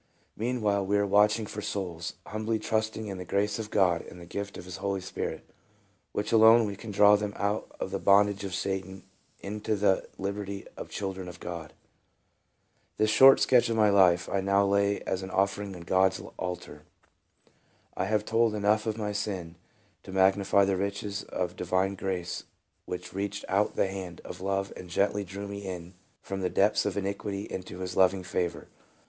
Meanwhile we are watching for souls, humbly trusting in the grace of God and the gift of his Holy Spirit, which alone can draw them out of the bondage of Satan into the liberty of children of God. This short sketch of my life I now lay as an offering on God's altar. I have told enough of my sin to magnify the riches of divine grace which reached out the hand of love and gently drew me in from the depths of iniquity into his loving favor.